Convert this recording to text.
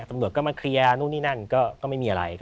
ตำรวจก็มาเคลียร์นู่นนี่นั่นก็ไม่มีอะไร